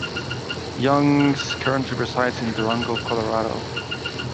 Youngs currently resides in Durango, Colorado.